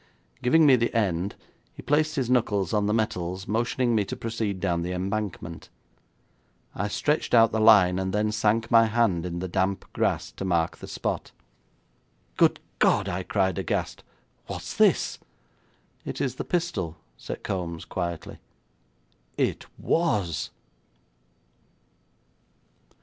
Giving me the end, he placed his knuckles on the metals, motioning me to proceed down the embankment. I stretched out the line, and then sank my hand in the damp grass to mark the spot. 'Good God!' I cried, aghast, 'what is this?' 'It is the pistol,' said Kombs quietly. It was!!